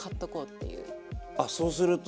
あそうすると。